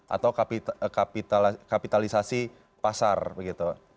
atau kapitalisasi pasar begitu